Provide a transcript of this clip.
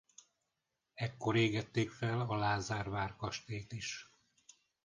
Ekkor égették fel a Lázár várkastélyt is.